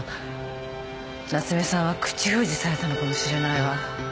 夏目さんは口封じされたのかもしれないわ。